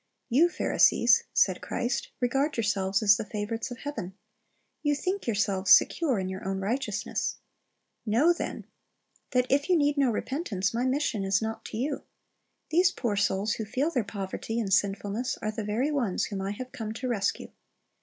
You, Pharisees, said Christ, regard yourselves as the favorites of heaven. You think yourselves secure in your own righteousness. Know, then, that if you need 1 Rom. 3: II, 12 IQO Christ's Object Lessons no repentance, My mission is not to you. These poor souls who feel their poverty and sinfulness, are the very ones whom I have come to rescue.